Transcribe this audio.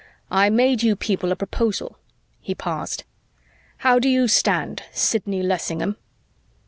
"I made you people a proposal." He paused. "How do you stand, Sidney Lessingham?"